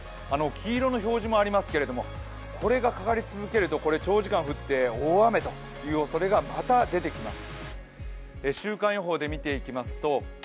黄色の表示もありますけれども、これがかかり続けると長時間降って大雨というおそれがまた出てきます。